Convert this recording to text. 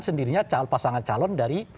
sendirinya pasangan calon dari